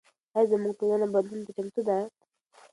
ایا زموږ ټولنه بدلون ته چمتو ده؟